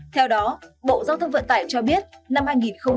theo đó bộ giao thông vận tải vừa có văn bản gửi cục đăng kiểm việt nam